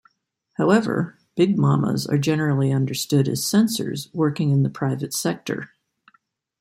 However, big mamas are generally understood as censors working in the private sector.